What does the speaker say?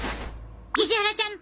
石原ちゃん！